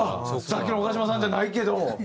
さっきの岡嶋さんじゃないけど。